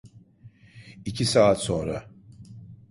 İki saat sonra.